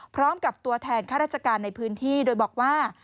พร้อมกับตัวแทนข้าราชการในพื้นที่โดยบอกว่า